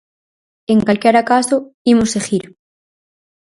En calquera caso, imos seguir.